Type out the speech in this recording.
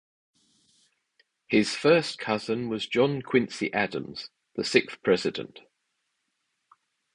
His first cousin was John Quincy Adams, the sixth President.